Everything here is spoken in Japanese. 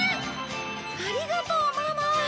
ありがとうママ！